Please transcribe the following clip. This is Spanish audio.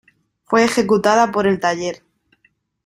Fue ejecutada por el taller.